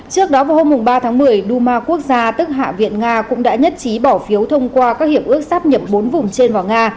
trước đó vào hôm ba tháng một mươi duma quốc gia tức hạ viện nga cũng đã nhất trí bỏ phiếu thông qua các hiệp ước sắp nhập bốn vùng trên vào nga